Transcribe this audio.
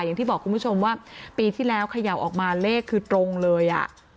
อย่างที่บอกคุณผู้ชมว่าปีที่แล้วเขย่าออกมาเลขคือตรงเลย